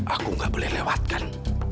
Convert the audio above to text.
aku nggak boleh lewatkan